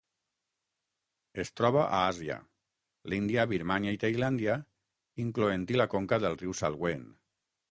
Es troba a Àsia: l'Índia, Birmània i Tailàndia, incloent-hi la conca del riu Salween.